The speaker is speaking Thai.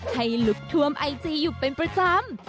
ให้ลุกท่วมไอจีอยู่เป็นประจำ